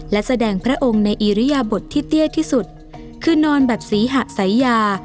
และแสดงพระองค์ในอิริยบทที่เตี้ยที่สุดคือนอนแบบศรีหะสายยา